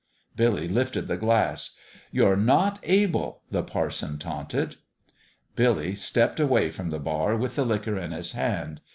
Billy lifted the glass. "You're not able !" the parson taunted. Billy stepped away from the bar with the liquor in his hand.